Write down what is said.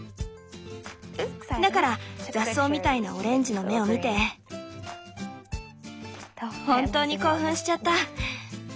だから雑草みたいなオレンジの芽を見て本当に興奮しちゃった！